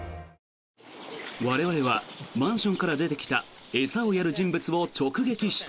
我々はマンションから出てきた餌をやる人物を直撃した。